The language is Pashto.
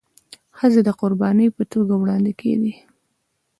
ښځي د قرباني په توګه وړاندي کيدي.